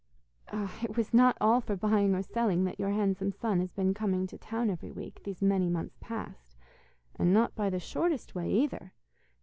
'Ah, it was not all for buying or selling that your handsome son has been coming to town every week these many months past. And not by the shortest way, either!